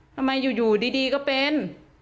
ทำไมอยู่ดีก็เป็น